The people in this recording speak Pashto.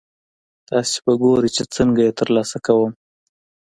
تاسې به ګورئ چې څنګه یې ترلاسه کوم.